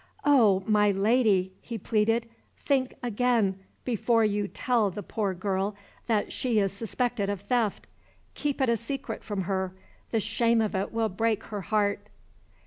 "Oh, my Lady!" he pleaded, "think again before you tell the poor girl that she is suspected of theft. Keep it a secret from her the shame of it will break her heart!"